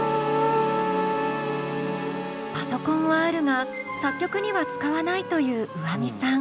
パソコンはあるが作曲には使わないというｕａｍｉさん。